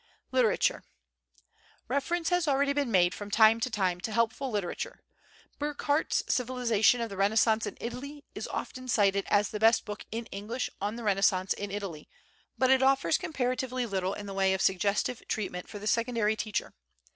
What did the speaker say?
Literature. Reference has already been made from time to time to helpful literature. Burckhardt's "Civilisation of the Renaissance in Italy" is often cited as the best book in English on the Renaissance in Italy, but it offers comparatively little in the way of suggestive treatment for the secondary teacher.